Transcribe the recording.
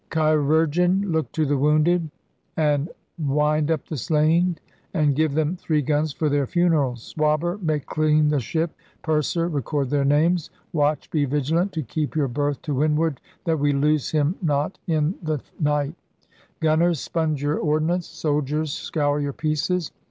... 'Chirurgeon, look to the wounded, and wind up the slain, and give them three guns for their funerals! Swabber, make clean the ship! Purser, record their names! Watch, be vigilant to keep your berth to windward, that we lose him not in LIFE AFLOAT IN TUDOR TIMES 47 the night! Gunners, spunge your ordnance! Souldiers, scour your pieces!